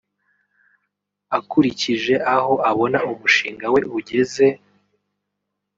Akurikije aho abona umushinga we ugeze